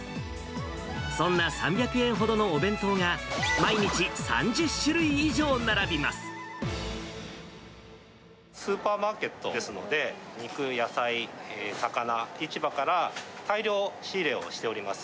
そんな３００円ほどのお弁当が、スーパーマーケットですので、肉、野菜、魚、市場から大量仕入れをしております。